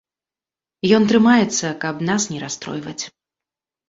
Ён трымаецца, каб нас не расстройваць.